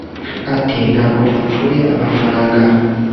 Ati “Ntabwo bapfuye amafaranga